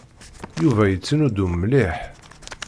Yuba yettnuddum mliḥ.